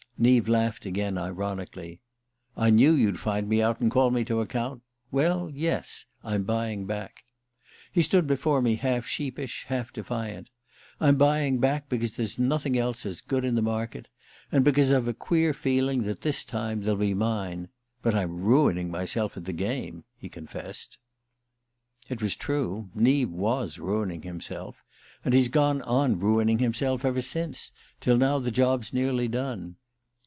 Neave laughed again, ironically. "I knew you'd find me out and call me to account. Well, yes: I'm buying back." He stood before me half sheepish, half defiant. "I'm buying back because there's nothing else as good in the market. And because I've a queer feeling that, this time, they'll be mine. But I'm ruining myself at the game!" he confessed. It was true: Neave was ruining himself. And he's gone on ruining himself ever since, till now the job's nearly done.